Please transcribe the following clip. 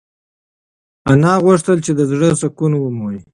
انا غوښتل چې د زړه سکون ومومي.